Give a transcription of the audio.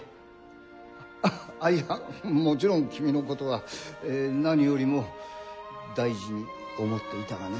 あっいやもちろん君のことは何よりも大事に思っていたがね。